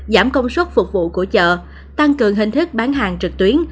giảm công suất phục vụ của chợ tăng cường hình thức bán hàng trực tuyến